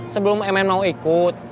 sebelum emen mau ikut